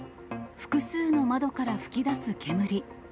複数の窓から噴き出す煙。